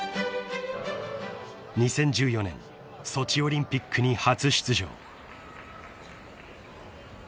［２０１４年ソチオリンピックに初出場］